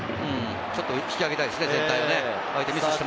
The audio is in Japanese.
ちょっと引き上げたいですね、全体を。